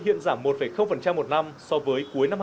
hiện giảm một một năm so với cuối năm hai nghìn hai mươi hai